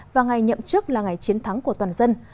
và ngày nhậm chức là ngày chiến thắng của toàn dân